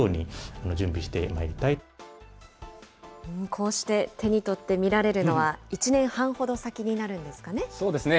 こうして手に取って見られるのは、１年半ほど先になるんですそうですね。